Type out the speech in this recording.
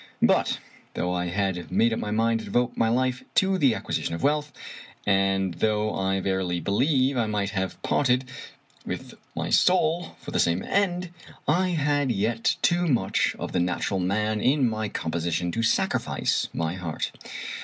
But though I had made up my mind to devote my life to the acquisition of wealth, and though I verily believe I might have parted with my soul for the same end, I had yet too much of the natural man in my composition to sacrifice my heart.